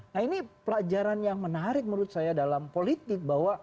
nah ini pelajaran yang menarik menurut saya dalam politik bahwa